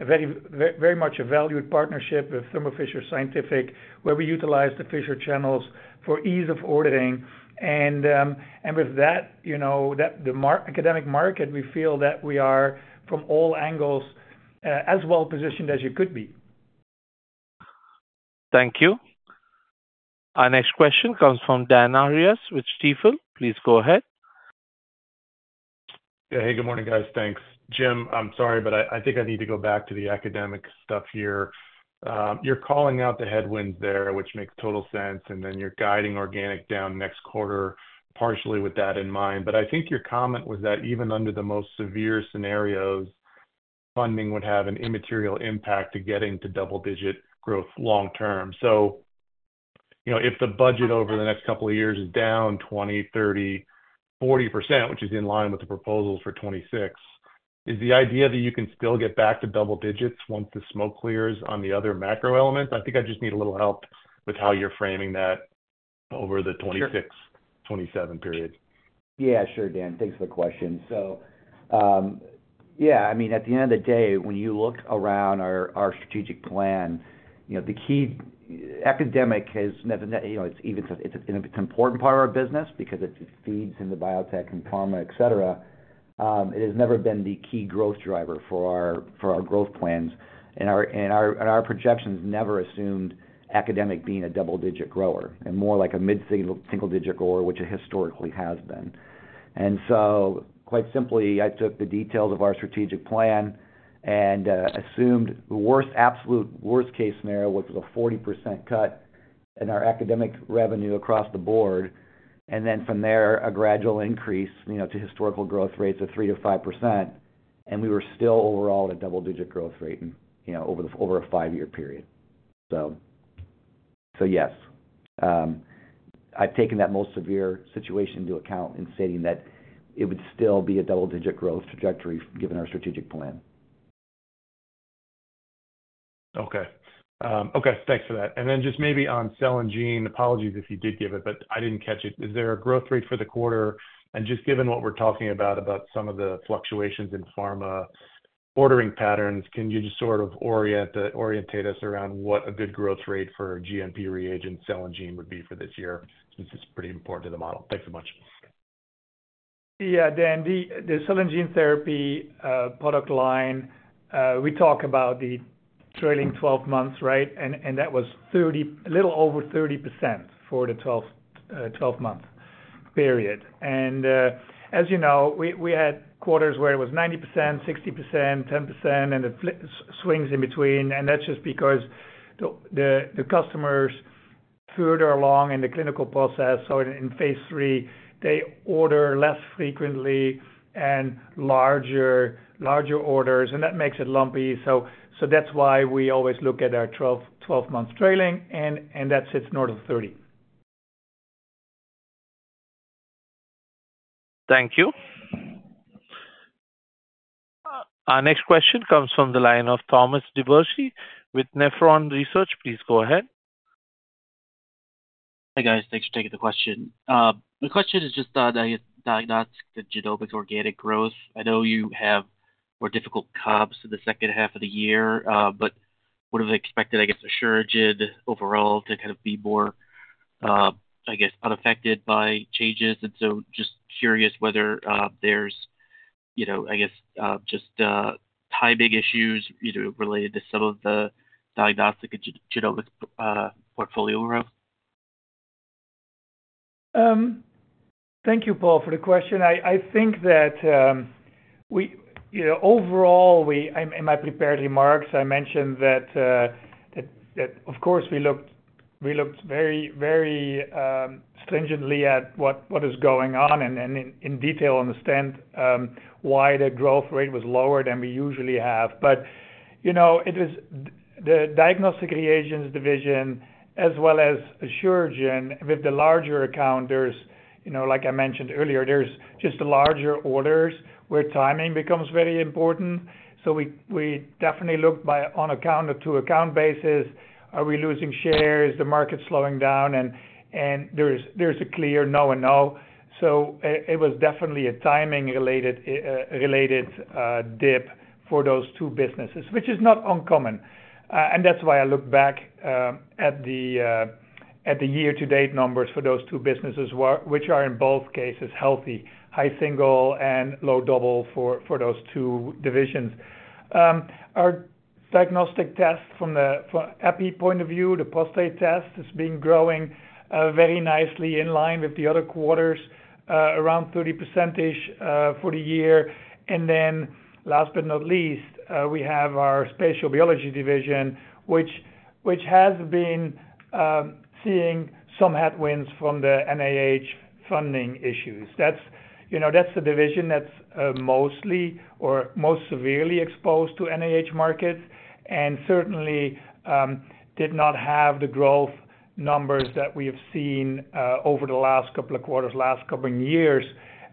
very much a valued partnership with Thermo Fisher Scientific, where we utilize the Fisher channels for ease of ordering. With that, the academic market, we feel that we are, from all angles, as well-positioned as you could be.
Thank you. Our next question comes from Dan Arias with Stifel. Please go ahead.
Yeah. Hey, good morning, guys. Thanks. Jim, I'm sorry, but I think I need to go back to the academic stuff here. You're calling out the headwinds there, which makes total sense. You are guiding organic down next quarter partially with that in mind. I think your comment was that even under the most severe scenarios, funding would have an immaterial impact to getting to double-digit growth long-term. If the budget over the next couple of years is down 20%, 30%, 40%, which is in line with the proposals for 2026, is the idea that you can still get back to double-digits once the smoke clears on the other macro elements? I think I just need a little help with how you're framing that over the 2026, 2027 period.
Yeah. Sure, Dan. Thanks for the question. Yeah, I mean, at the end of the day, when you look around our strategic plan, the key academic has never—it's an important part of our business because it feeds into biotech and pharma, etc.—it has never been the key growth driver for our growth plans. Our projections never assumed academic being a double-digit grower and more like a mid-single-digit grower, which it historically has been. Quite simply, I took the details of our strategic plan and assumed the worst case scenario, which was a 40% cut in our academic revenue across the board, and then from there, a gradual increase to historical growth rates of 3-5%. We were still overall at a double-digit growth rate over a five-year period. Yes, I've taken that most severe situation into account in stating that it would still be a double-digit growth trajectory given our strategic plan.
Okay. Okay. Thanks for that. Maybe on cell and gene, apologies if you did give it, but I did not catch it. Is there a growth rate for the quarter? Just given what we are talking about, about some of the fluctuations in pharma ordering patterns, can you just sort of orientate us around what a good growth rate for GMP reagent cell and gene would be for this year since it is pretty important to the model? Thanks so much.
Yeah. Dan, the cell and gene therapy product line, we talk about the trailing 12 months, right? And that was a little over 30% for the 12-month period. As you know, we had quarters where it was 90%, 60%, 10%, and swings in between. That is just because the customers further along in the clinical process, so in phase three, they order less frequently and larger orders. That makes it lumpy. That is why we always look at our 12-month trailing, and that sits north of 30.
Thank you. Our next question comes from the line of Thomas DeBourcy with Nephron Research. Please go ahead.
Hey, guys. Thanks for taking the question. My question is just diagnostic to genomic organic growth. I know you have more difficult comps in the second half of the year, but would have expected, I guess, as you rigid overall to kind of be more, I guess, unaffected by changes. Just curious whether there's, I guess, just topic issues related to some of the diagnostic and genomic portfolio growth.
Thank you, [Paul], for the question. I think that overall, in my prepared remarks, I mentioned that, of course, we looked very stringently at what is going on and in detail understand why the growth rate was lower than we usually have. It was the diagnostic reagents division as well as Asuragen with the larger account. Like I mentioned earlier, there is just the larger orders where timing becomes very important. We definitely looked on account or to account basis, are we losing shares? The market's slowing down, and there is a clear no and no. It was definitely a timing-related dip for those two businesses, which is not uncommon. That is why I look back at the year-to-date numbers for those two businesses, which are in both cases healthy, high single and low double for those two divisions. Our diagnostic test from the EPI point of view, the prostate test has been growing very nicely in line with the other quarters, around 30%-ish for the year. Last but not least, we have our spatial biology division, which has been seeing some headwinds from the NIH funding issues. That is the division that is mostly or most severely exposed to NIH markets and certainly did not have the growth numbers that we have seen over the last couple of quarters, last couple of years.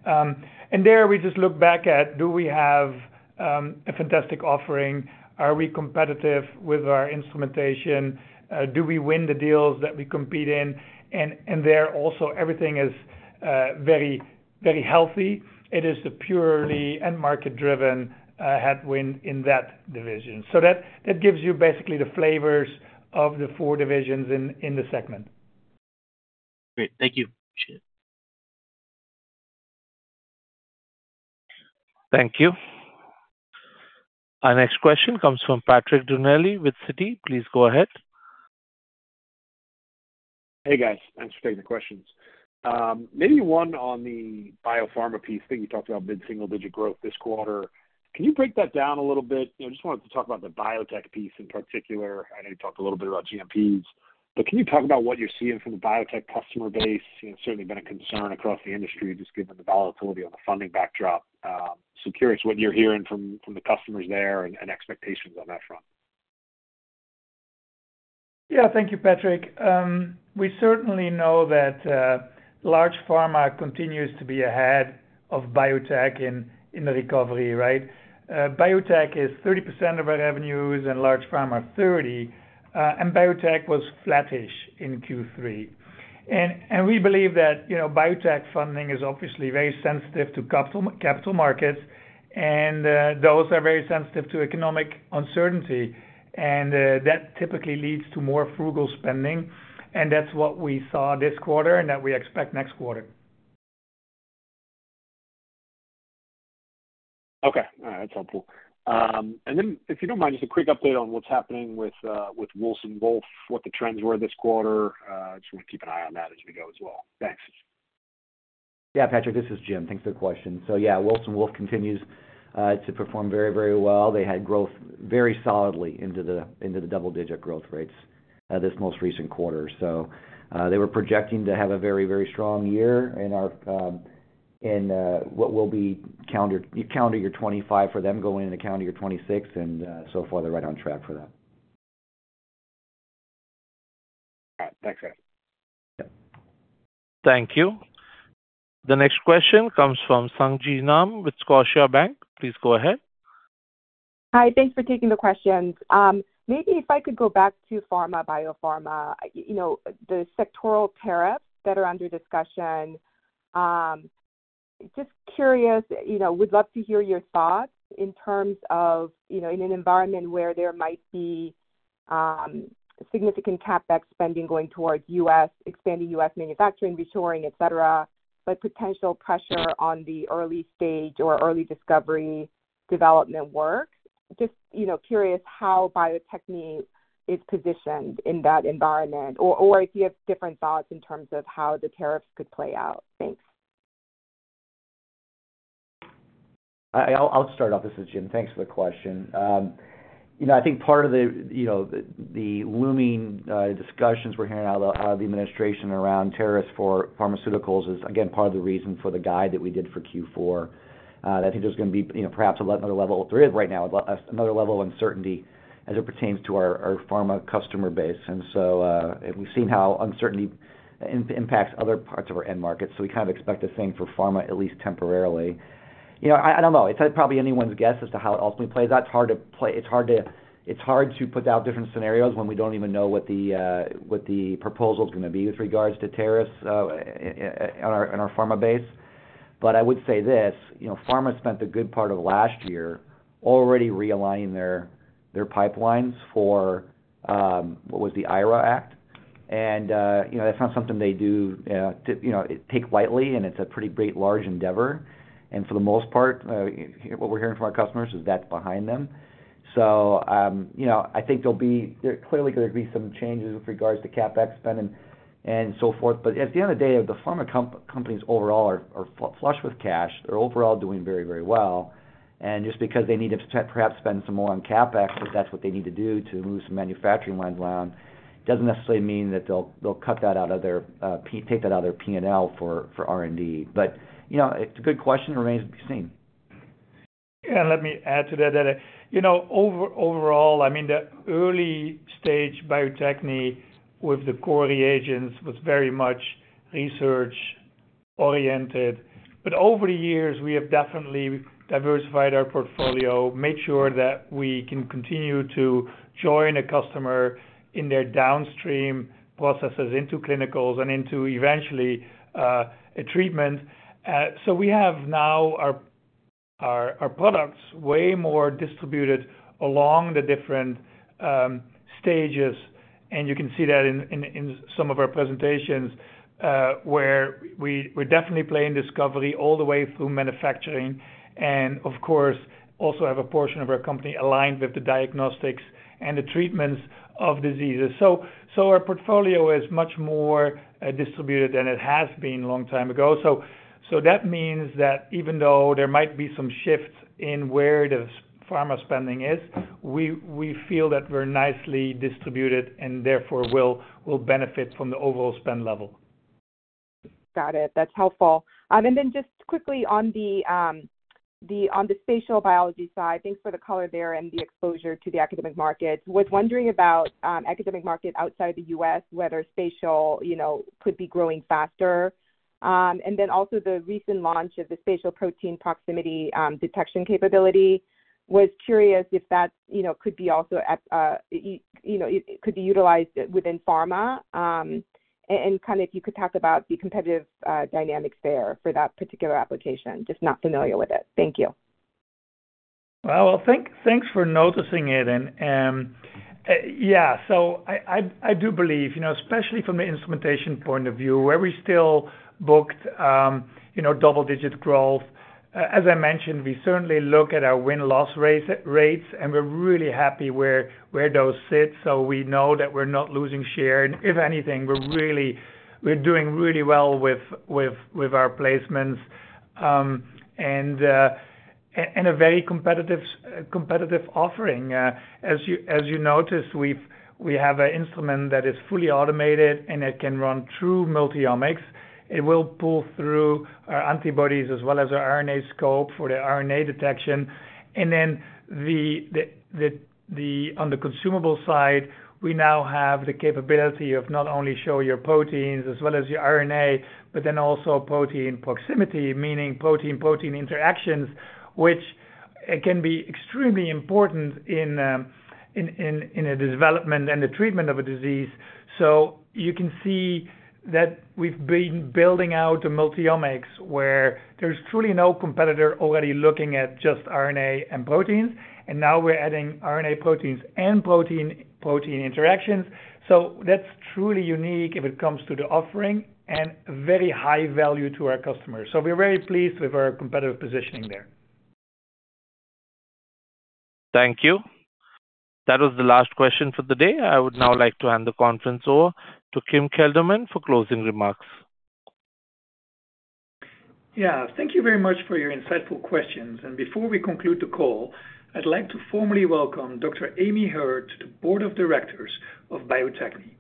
There we just look back at, do we have a fantastic offering? Are we competitive with our instrumentation? Do we win the deals that we compete in? There also, everything is very healthy. It is a purely end market-driven headwind in that division. That gives you basically the flavors of the four divisions in the segment.
Great. Thank you. Appreciate it.
Thank you. Our next question comes from Patrick Donnelly with Citi. Please go ahead.
Hey, guys. Thanks for taking the questions. Maybe one on the biopharma piece. I think you talked about mid-single-digit growth this quarter. Can you break that down a little bit? I just wanted to talk about the biotech piece in particular. I know you talked a little bit about GMPs, but can you talk about what you're seeing from the biotech customer base? It's certainly been a concern across the industry just given the volatility on the funding backdrop. Curious what you're hearing from the customers there and expectations on that front.
Yeah. Thank you, Patrick. We certainly know that large pharma continues to be ahead of biotech in the recovery, right? Biotech is 30% of our revenues and large pharma 30%. Biotech was flattish in Q3. We believe that biotech funding is obviously very sensitive to capital markets, and those are very sensitive to economic uncertainty. That typically leads to more frugal spending. That is what we saw this quarter and what we expect next quarter.
Okay. All right. That's helpful. If you don't mind, just a quick update on what's happening with Wilson Wolf, what the trends were this quarter. Just want to keep an eye on that as we go as well. Thanks.
Yeah, Patrick, this is Jim. Thanks for the question. Yeah, Wilson Wolf continues to perform very, very well. They had growth very solidly into the double-digit growth rates this most recent quarter. They were projecting to have a very, very strong year in what will be calendar year 2025 for them, going into calendar year 2026. So far, they're right on track for that.
All right. Thanks, guys.
Thank you. The next question comes from Sung Ji Nam with Scotiabank. Please go ahead.
Hi. Thanks for taking the questions. Maybe if I could go back to pharma, biopharma, the sectoral tariffs that are under discussion. Just curious, would love to hear your thoughts in terms of in an environment where there might be significant CapEx spending going towards expanding U.S. manufacturing, reshoring, etc., but potential pressure on the early stage or early discovery development work. Just curious how Bio-Techne is positioned in that environment or if you have different thoughts in terms of how the tariffs could play out. Thanks.
I'll start off. This is Jim. Thanks for the question. I think part of the looming discussions we're hearing out of the administration around tariffs for pharmaceuticals is, again, part of the reason for the guide that we did for Q4. I think there's going to be perhaps another level right now, another level of uncertainty as it pertains to our pharma customer base. We've seen how uncertainty impacts other parts of our end markets. We kind of expect the same for pharma, at least temporarily. I don't know. It's probably anyone's guess as to how it ultimately plays. It's hard to put out different scenarios when we don't even know what the proposal is going to be with regards to tariffs on our pharma base. I would say this: pharma spent a good part of last year already realigning their pipelines for what was the IRA Act. That's not something they take lightly, and it's a pretty great large endeavor. For the most part, what we're hearing from our customers is that's behind them. I think there are clearly going to be some changes with regards to CapEx spend and so forth. At the end of the day, the pharma companies overall are flush with cash. They're overall doing very, very well. Just because they need to perhaps spend some more on CapEx, if that's what they need to do to move some manufacturing lines around, doesn't necessarily mean that they'll take that out of their P&L for R&D. It's a good question. It remains to be seen.
Yeah. Let me add to that that overall, I mean, the early stage biotech with the core reagents was very much research-oriented. Over the years, we have definitely diversified our portfolio, made sure that we can continue to join a customer in their downstream processes into clinicals and into eventually a treatment. We have now our products way more distributed along the different stages. You can see that in some of our presentations where we're definitely playing discovery all the way through manufacturing. Of course, we also have a portion of our company aligned with the diagnostics and the treatments of diseases. Our portfolio is much more distributed than it has been a long time ago. That means that even though there might be some shifts in where the pharma spending is, we feel that we're nicely distributed and therefore will benefit from the overall spend level.
Got it. That's helpful. Just quickly on the spatial biology side, thanks for the color there and the exposure to the academic markets. I was wondering about academic market outside the U.S., whether spatial could be growing faster? Also, the recent launch of the spatial protein proximity detection capability, I was curious if that could be also utilized within pharma and if you could talk about the competitive dynamics there for that particular application. Just not familiar with it. Thank you.
Thanks for noticing it. Yeah, I do believe, especially from the instrumentation point of view, where we still booked double-digit growth. As I mentioned, we certainly look at our win-loss rates, and we're really happy where those sit. We know that we're not losing share. If anything, we're doing really well with our placements and a very competitive offering. As you noticed, we have an instrument that is fully automated, and it can run true multi-omics. It will pull through our antibodies as well as our RNAscope for the RNA detection. On the consumable side, we now have the capability of not only showing your proteins as well as your RNA, but also protein proximity, meaning protein-protein interactions, which can be extremely important in the development and the treatment of a disease. You can see that we've been building out the multi-omics where there's truly no competitor already looking at just RNA and proteins. Now we're adding RNA, proteins, and protein-protein interactions. That's truly unique if it comes to the offering and very high value to our customers. We're very pleased with our competitive positioning there.
Thank you. That was the last question for the day. I would now like to hand the conference over to Kim Kelderman for closing remarks.
Yeah. Thank you very much for your insightful questions. Before we conclude the call, I'd like to formally welcome Dr. Amy Herr to the Board of Directors of Bio-Techne.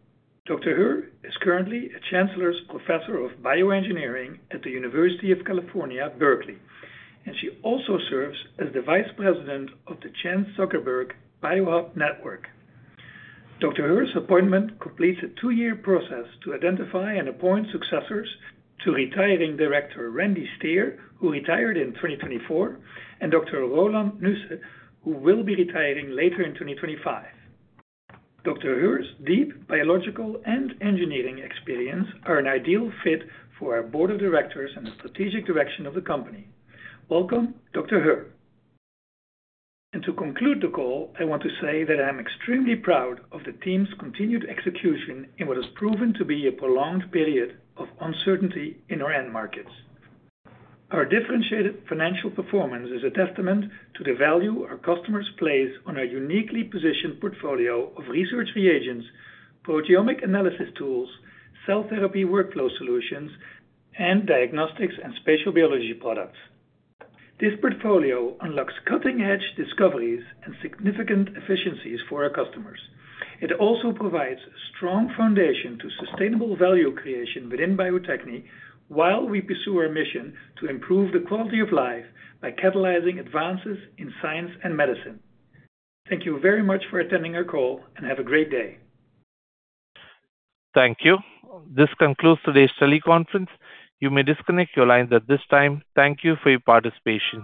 Dr. Herr is currently a Chancellor's Professor of Bioengineering at the University of California, Berkeley. She also serves as the Vice President of the Chan Zuckerberg Biohub Network. Dr. Herr's appointment completes a two-year process to identify and appoint successors to retiring Director Randy Steer, who retired in 2024, and Dr. Roeland Nusse, who will be retiring later in 2025. Dr. Herr's deep biological and engineering experience are an ideal fit for our Board of Directors and the strategic direction of the company. Welcome, Dr. Herr. To conclude the call, I want to say that I'm extremely proud of the team's continued execution in what has proven to be a prolonged period of uncertainty in our end markets. Our differentiated financial performance is a testament to the value our customers place on our uniquely-positioned portfolio of research reagents, proteomic analysis tools, cell therapy workflow solutions, and diagnostics and spatial biology products. This portfolio unlocks cutting-edge discoveries and significant efficiencies for our customers. It also provides a strong foundation to sustainable value creation within Bio-Techne while we pursue our mission to improve the quality of life by catalyzing advances in science and medicine. Thank you very much for attending our call, and have a great day.
Thank you. This concludes today's teleconference. You may disconnect your lines at this time. Thank you for your participation.